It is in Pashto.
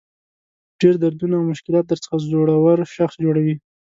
ډېر دردونه او مشکلات درڅخه زړور شخص جوړوي.